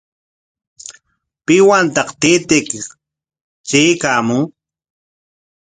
¿Piwantaq taytaykiqa traykaamun?